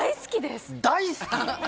大好き⁉